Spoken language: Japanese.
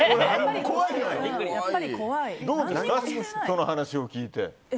その話を聞いて。